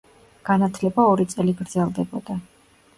განათლება ორი წელი გრძელდებოდა.